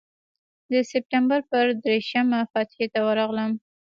د سپټمبر پر دېرشمه فاتحې ته ورغلم.